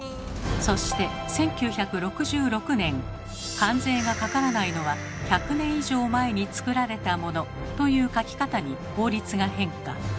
そして１９６６年関税がかからないのは「１００年以上前に作られたモノ」という書き方に法律が変化。